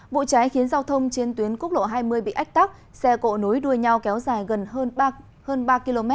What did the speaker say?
vụ cháy khiến giao thông trên tuyến quốc lộ hai mươi bị ách tắc xe cộ nối đuôi nhau kéo dài gần hơn ba km